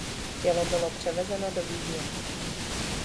Tělo bylo převezeno do Vídně.